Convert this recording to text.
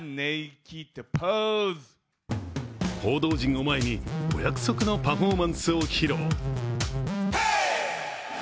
報道陣を前にお約束のパフォーマンスを披露。